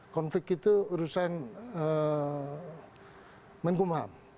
konflik itu urusan menkumpah